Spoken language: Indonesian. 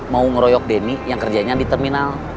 mau ngeroyok demi yang kerjanya di terminal